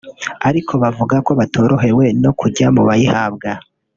ariko bavuga ko batorohewe no kujya mu bayihabwa